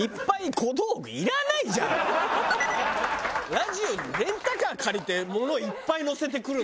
ラジオにレンタカー借りてものをいっぱい載せて来る。